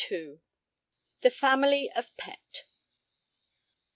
_The Family of Pett.